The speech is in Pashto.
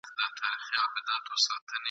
موږ په روڼو سترګو لاندي تر بړستن یو ..